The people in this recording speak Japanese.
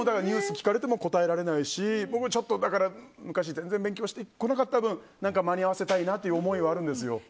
ニュース聞かれても答えられないしちょっと昔、全然勉強してこなかった分間に合わせたいなという思いはあるんですよ。